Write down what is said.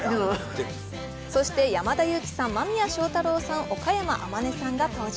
山田裕貴さん、間宮祥太朗さん、岡山天音さんが登場。